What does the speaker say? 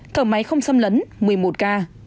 thở máy không xâm lấn một mươi một ca